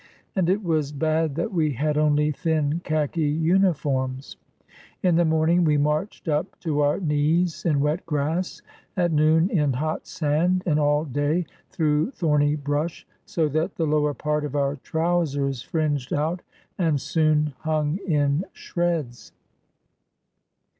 And it was bad that we had only thin Khaki uniforms. In the morn ing we marched up to our knees in wet grass, at noon in hot sand, and all day through thorny brush, so that the lower part of our trousers fringed out and soon hung 467 SOUTH AFRICA in shreds.